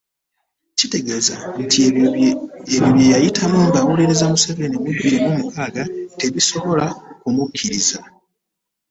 Kitegeeza ebyo bye yayitamu ng'awolereza Museveni mu bbiri mukaaga tebisobola kumukkiriza